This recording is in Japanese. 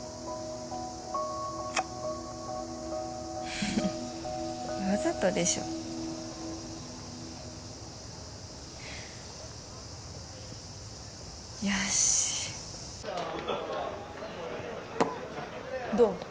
フフッわざとでしょよしっどう？